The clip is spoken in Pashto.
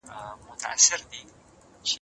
زه په دې کوڅه کې د تېرو شلو کلونو راهیسې اوسیږم.